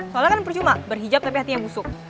soalnya kan percuma berhijab tapi hatinya busuk